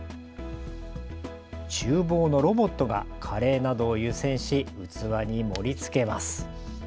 ちゅう房のロボットがカレーなどを湯煎し、器に盛りつけます。